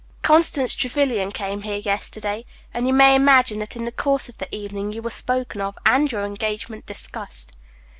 "Constance Trevyllian came here yesterday; and you may imagine that in the course of the evening you were spoken of, and your engagement discussed."